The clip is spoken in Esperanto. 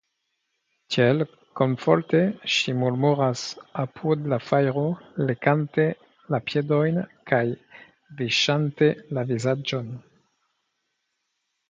Tiel komforte ŝi murmuras apud la fajro lekante la piedojn kaj viŝante la vizaĝon.